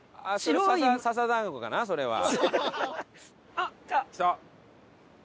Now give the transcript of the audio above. あっ来た！